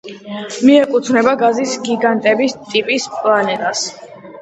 მიეკუთვნება გაზის გიგანტების ტიპის პლანეტას.